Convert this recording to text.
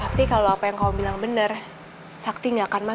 aku panggil buatan